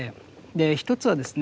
一つはですね